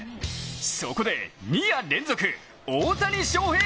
そこで２夜連続大谷翔平